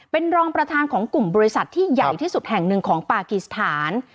เป็นรองประธานของกลุ่มบริษัทที่ใหญ่ที่สุดแห่งหนึ่งของปากีสถาน